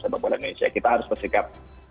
sepak bola indonesia kita harus bersikap